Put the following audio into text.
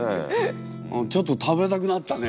ちょっと食べたくなったね。